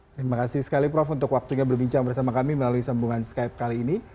terima kasih sekali prof untuk waktunya berbincang bersama kami melalui sambungan skype kali ini